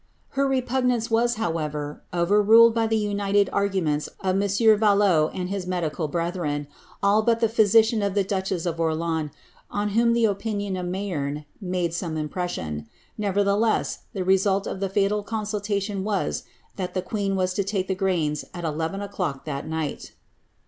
" iler repugnance was, however, overruled by the united arguments of 31. Valot and his medical brethren, all but the physician of the duchess of Orieans, on whom the opinion of Mayerne made some impression ; nevertheless, the result of the fatal consultation was, that the queen was to lake the grains at eleven o'clock that night.'